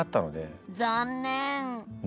残念。